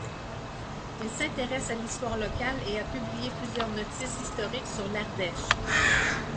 Il s’intéresse à l'histoire locale et a publié plusieurs notices historiques sur l'Ardèche.